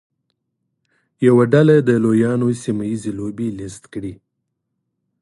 یوه ډله د لویانو سیمه ییزې لوبې لیست کړي.